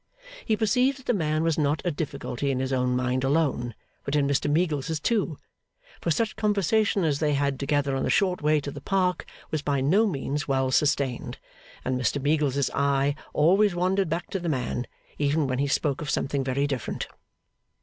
He perceived that the man was not a difficulty in his own mind alone, but in Mr Meagles's too; for such conversation as they had together on the short way to the Park was by no means well sustained, and Mr Meagles's eye always wandered back to the man, even when he spoke of something very different.